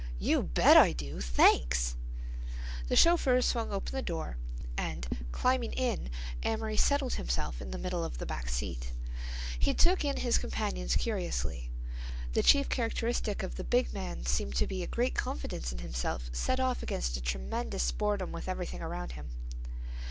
"You bet I do. Thanks." The chauffeur swung open the door, and, climbing in, Amory settled himself in the middle of the back seat. He took in his companions curiously. The chief characteristic of the big man seemed to be a great confidence in himself set off against a tremendous boredom with everything around him.